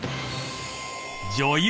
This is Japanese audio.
［女優］